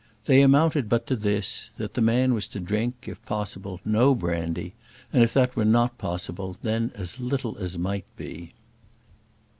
They amounted but to this: that the man was to drink, if possible, no brandy; and if that were not possible, then as little as might be.